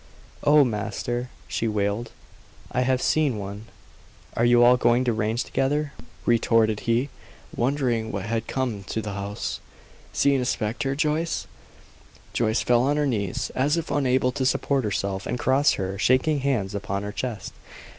"Oh, master!" she wailed, "I have seen one." "Are you all going deranged together?" retorted he, wondering what had come to the house. "Seen a spectre, Joyce?" Joyce fell on her knees, as if unable to support herself, and crossed her shaking hands upon her chest.